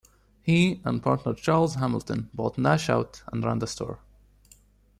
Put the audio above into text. He and partner Charles Hamilton bought Nash out and ran the store.